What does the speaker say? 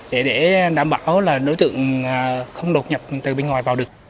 để đảm bảo là đối tượng không đột nhập từ bên ngoài vào được